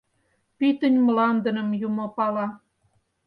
Пӱтынь мландыным Юмо пала.